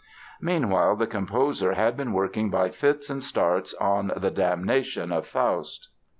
Meanwhile the composer had been working by fits and starts on "The Damnation of Faust".